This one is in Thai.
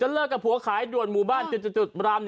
ลรกหัวขายด่วนหมู่บ้านเรียกราม๑๔๘